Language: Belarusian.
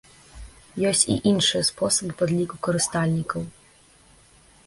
Ёсць і іншыя спосабы падліку карыстальнікаў.